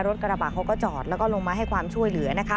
รถกระบะเขาก็จอดแล้วก็ลงมาให้ความช่วยเหลือนะคะ